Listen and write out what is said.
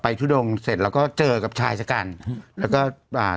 ไฟชุดงก์เสร็จเราก็เจอกับชายสกันแล้วก็อ่า